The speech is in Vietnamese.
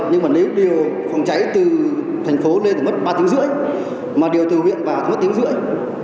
nhưng mà nếu điều phòng cháy từ thành phố lên thì mất ba tiếng rưỡi mà điều từ huyện và không mất tiếng rưỡi